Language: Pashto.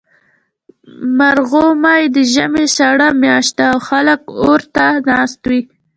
مرغومی د ژمي سړه میاشت ده، او خلک اور ته ناست وي.